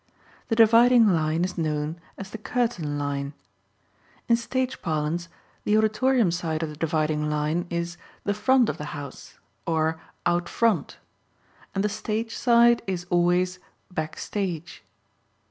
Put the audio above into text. The dividing line is known as the curtain line. In stage parlance the auditorium side of the dividing line is the "front of the house," or "out front," and the stage side is always "back stage."